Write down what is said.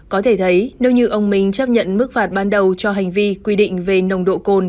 có thể thấy nếu như ông minh chấp nhận mức phạt ban đầu cho hành vi quy định về nồng độ cồn